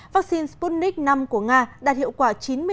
vaccine sputnik v của nga đạt hiệu quả chín mươi năm